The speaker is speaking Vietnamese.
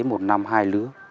một năm hai lứa